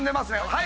はい。